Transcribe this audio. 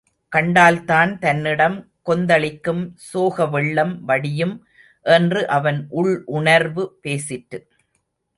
கண்டால்தான் தன்னிடம் கொந்தளிக்கும் சோகவெள்ளம் வடியும் என்று அவன் உள் உணர்வு பேசிற்று.